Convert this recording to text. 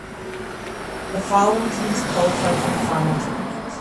The following teams qualified for the final tournament.